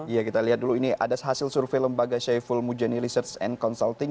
ya kita lihat dulu ini ada hasil survei lembaga syaiful mujani research and consulting